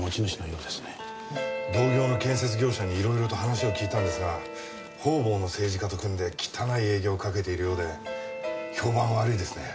同業の建設業者にいろいろと話を聞いたんですが方々の政治家と組んで汚い営業をかけているようで評判悪いですね。